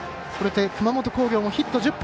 熊本工業もヒット１０本。